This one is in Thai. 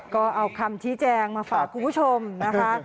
ก็เอาคำชี้แจงมาฝากคุณผู้ชมนะคะ